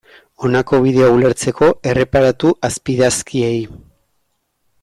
Honako bideoa ulertzeko, erreparatu azpiidazkiei.